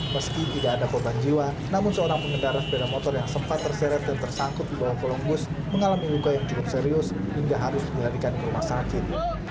meski tidak ada korban jiwa namun seorang pengendara sepeda motor yang sempat terseret dan tersangkut di bawah kolong bus mengalami luka yang cukup serius hingga harus dilarikan ke rumah sakit